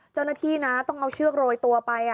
เจ้าหน้าที่นะต้องเอาเชือกโรยตัวไป